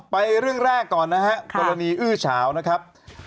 ไปเรื่องแรกก่อนนะฮะกรณีอื้อเฉานะครับ